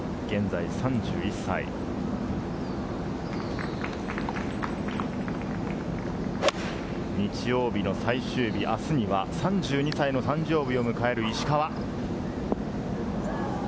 現在３１歳、日曜日の最終日、あすには３２歳の誕生日を迎える石川。